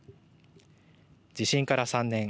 地震から３年。